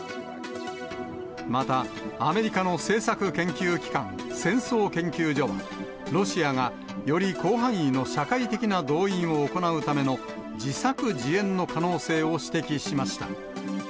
また、アメリカの政策研究機関、戦争研究所は、ロシアがより広範囲の社会的な動員を行うための自作自演の可能性を指摘しました。